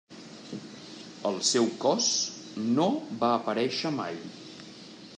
El seu cos no va aparèixer mai.